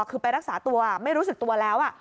คือไปรักษาตัวไม่รู้สึกตัวแล้ว